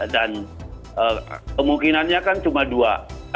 kemungkinannya kan cuma dua